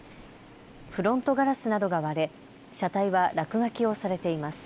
フロントガラスなどが割れ車体は落書きをされています。